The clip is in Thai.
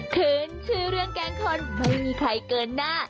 คืนชื่อเรื่องแกล้งคนไม่มีใครเกินหน้า